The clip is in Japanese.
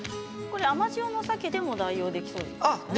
甘塩のさけでも代用できますか？